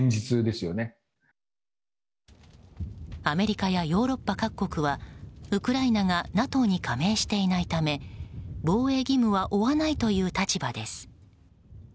アメリカやヨーロッパ各国はウクライナがＮＡＴＯに加盟していないため防衛義務は負わないという立場です。